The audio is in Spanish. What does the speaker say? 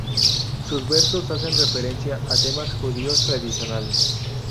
Sus versos hacen referencia a temas judíos tradicionales.